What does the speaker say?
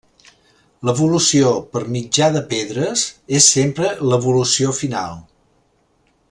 L'evolució per mitjà de Pedres és sempre l'evolució final.